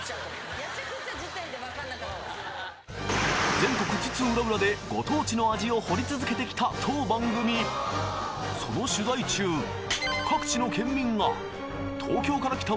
全国津々浦々でご当地の味を掘り続けてきた当番組その取材中各地のケンミンが東京から来た